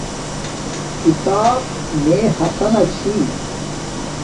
کھیتاپ میے ہاتانہ چھی